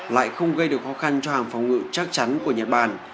lại không gây được khó khăn cho hàng phòng ngự chắc chắn của nhật bản